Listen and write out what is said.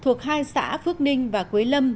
thuộc hai xã phước ninh và quế lâm